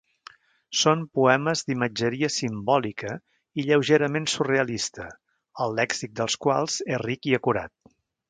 Són poemes d'imatgeria simbòlica i lleugerament surrealista, el lèxic dels quals és ric i acurat.